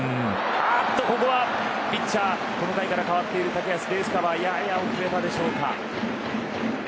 ここはピッチャーはここの回から変わってる竹安ベースカバーやや遅れたでしょうか。